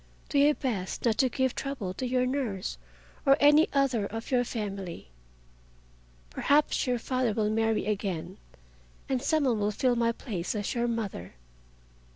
Do your best not to give trouble to your nurse or any other of your family. Perhaps your father will marry again and some one will fill my place as your mother.